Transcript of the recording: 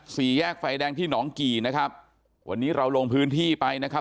สี่แยกไฟแดงที่หนองกี่นะครับวันนี้เราลงพื้นที่ไปนะครับ